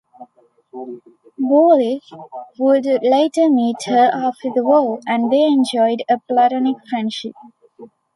Boulle would later meet her after the war, and they enjoyed a platonic friendship.